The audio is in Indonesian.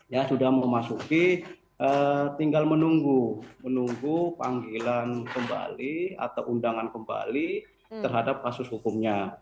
ya sudah memasuki tinggal menunggu menunggu panggilan kembali atau undangan kembali terhadap kasus hukumnya